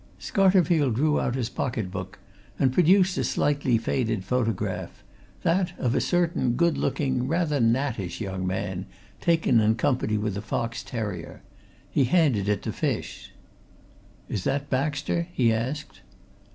Scarterfield drew out his pocket book and produced a slightly faded photograph that of a certain good looking, rather nattish young man, taken in company with a fox terrier. He handed it to Fish. "Is that Baxter?" he asked.